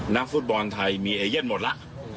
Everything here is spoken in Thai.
นักฟุตบอลไทยมีเอเย่นหมดแล้ว